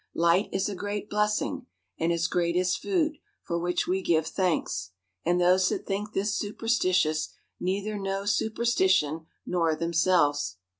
Light is a great blessing ; and as great as food, for which we give thanks : and those that think this superstitious, neither know superstition nor themselves.